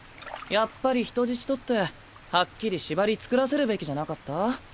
やっぱり人質取ってはっきり縛り作らせるべきじゃなかった？